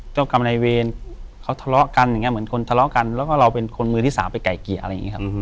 กรรมในเวรเขาทะเลาะกันอย่างนี้เหมือนคนทะเลาะกันแล้วก็เราเป็นคนมือที่สามไปไก่เกลี่ยอะไรอย่างนี้ครับ